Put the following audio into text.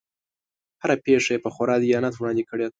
هره پېښه یې په خورا دیانت وړاندې کړې ده.